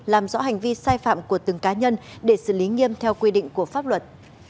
làm rõ hành vi sai phạm của từng cá nhân để xử lý nghiêm theo quy định của pháp luật